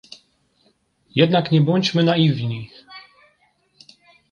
Jednak nie bądźmy naiwni